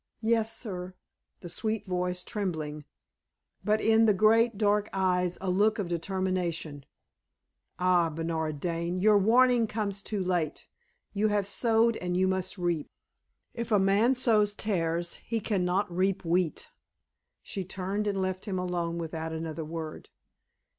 "Yes, sir," the sweet voice trembling, but in the great dark eyes a look of determination. Ah, Bernard Dane, your warning comes too late! You have sowed and you must reap. If a man sows tares he can not harvest wheat. She turned and left him alone without another word.